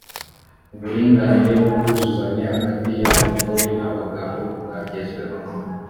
uburinganire n’ubwuzuzanye hagati y’abagore n’abagabo bwagezweho